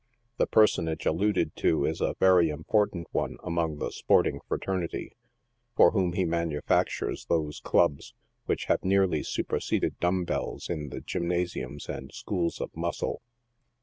The personage alluded to is a very important one among the sporting fraternity, for whom he manufactures those clubs, which have nearly superseded dumbells in the gymnasiums and schools of muscle.